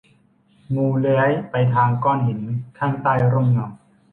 งูเลื้อยไปทางก้อนหินข้างใต้ร่มเงา